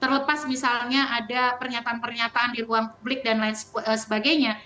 terlepas misalnya ada pernyataan pernyataan di ruang publik dan lain sebagainya